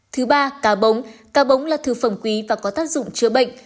thứ ba cá bống cá bống là thư phẩm quý và có tác dụng chữa bệnh